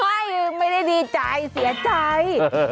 ไม่ได้ดีใจเสียใจ